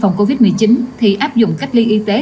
phòng covid một mươi chín thì áp dụng cách ly y tế